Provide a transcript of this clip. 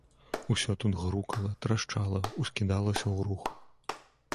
Усё тут грукала, трашчала, ускідалася ў рух.